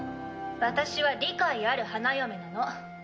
私は理解ある花嫁なの。